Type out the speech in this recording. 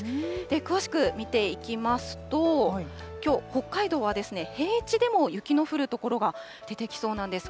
詳しく見ていきますと、きょう、北海道は平地でも雪の降る所が出てきそうなんです。